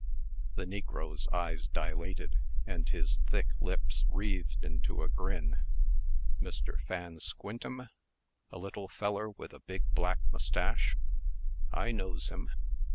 The negro's eyes dilated, and his thick lips wreathed into a grin. "Mr. Fan Squintem a little feller with a big black mustache? I knows him.